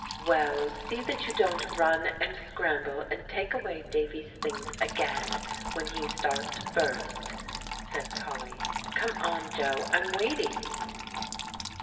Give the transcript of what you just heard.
"Well, see that you don't run and scramble and take away Davie's things again when he starts first," said Polly. "Come on, Joe, I'm waiting."